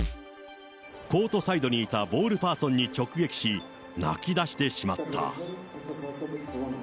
コートサイドにいたボールパーソンに直撃し、泣き出してしまった。